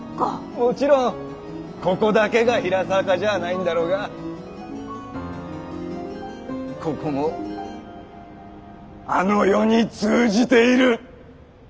もちろんここだけが「比良坂」じゃあないんだろうがここも「あの世」に通じているッ！